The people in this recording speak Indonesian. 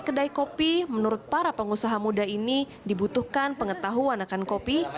kedai kopi menurut para pengusaha muda ini dibutuhkan pengetahuan akan kopi